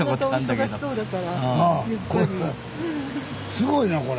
すごいなこれ。